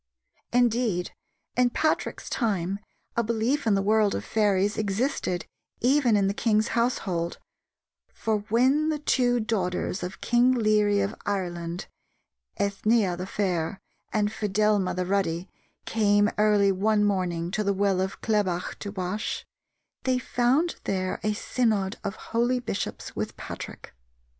Indeed, in Patrick's time a belief in a world of fairies existed even in the king's household, for "when the two daughters of King Leary of Ireland, Ethnea the fair and Fedelma the ruddy, came early one morning to the well of Clebach to wash, they found there a synod of holy bishops with Patrick.